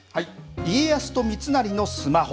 家康と三成のスマホ。